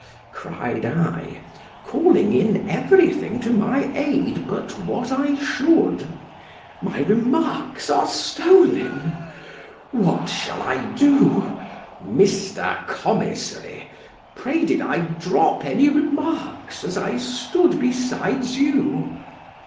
cried I, calling in every thing to my aid but what I should——My remarks are stolen!—what shall I do?——Mr. Commissary! pray did I drop any remarks, as I stood besides you?